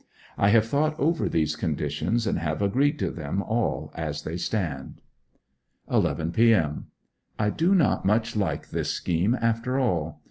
I have thought over these conditions, and have agreed to them all as they stand. 11 p.m. I do not much like this scheme, after all.